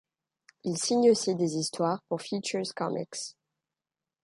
Il signe aussi des histoires pour Features Comics.